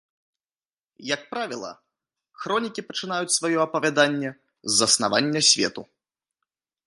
Як правіла, хронікі пачынаюць сваё апавяданне з заснавання свету.